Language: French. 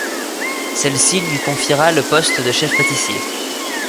Celle ci lui confiera le poste de Chef Pâtissier.